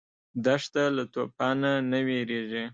دښته له توفانه نه وېرېږي.